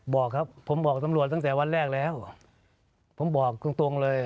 บอกครับผมบอกตำรวจตั้งแต่วันแรกแล้วผมบอกตรงตรงเลย